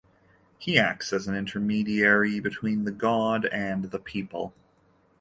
He acts as an intermediary between the god and the people.